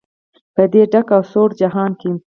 په دې ډک او سوړ جهان کې.